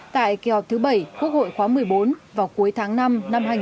tại kế hoạch thứ bảy quốc hội khóa một mươi bốn vào cuối tháng năm năm hai nghìn một mươi chín